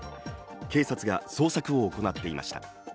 警察が捜索を行っていました。